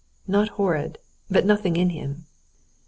"Not horrid, but nothing in him."